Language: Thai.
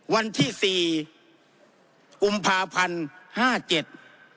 วันที่๔กุมภาพันธุ์๕๗